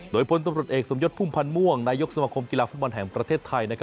โดยพลตำรวจเอกสมยศพุ่มพันธ์ม่วงนายกสมคมกีฬาฟุตบอลแห่งประเทศไทย